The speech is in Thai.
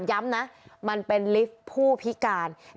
ค่ะย้ำน่ะมันเป็นลิฟต์ผู้พิการอืม